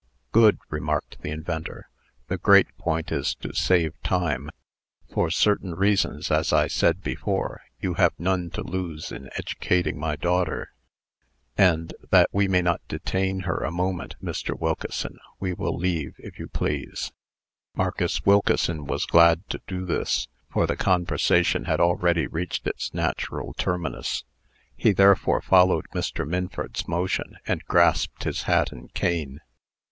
"Good!" remarked the inventor. "The great point is to save time. For certain reasons, as I said before, you have none to lose in educating my daughter. And, that we may not detain her a moment, Mr. Wilkeson, we will leave, if you please." Marcus Wilkeson was glad to do this, for the conversation had already reached its natural terminus. He therefore followed Mr. Minford's motion, and grasped his hat and cane.